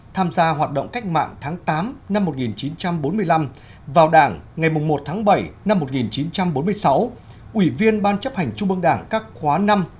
tham gia hoạt động cách mạng tháng tám năm một nghìn chín trăm bốn mươi năm vào đảng ngày một tháng bảy năm một nghìn chín trăm bốn mươi sáu ủy viên ban chấp hành trung ương đảng các khóa năm một nghìn chín